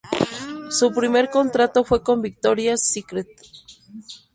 Su primer contrato fue con Victoria’s Secret.